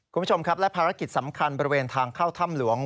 คุณผู้ชมครับและภารกิจสำคัญบริเวณทางเข้าถ้ำหลวง